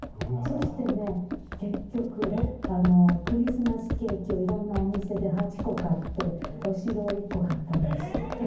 クリスマスケーキを色んなお店で８個買ってお城を１個買ったんです。